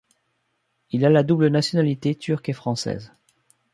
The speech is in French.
Il a la double nationalité turque et française.